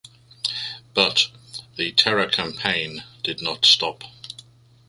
But, the terror campaign did not stop.